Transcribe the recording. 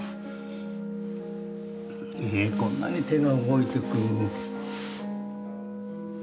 こんなに手が動いてく。